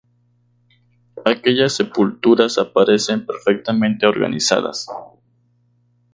Aquellas sepulturas aparecen perfectamente organizadas.